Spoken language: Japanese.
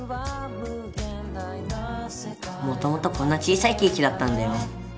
もともとこんな小さいケーキだったんだよ。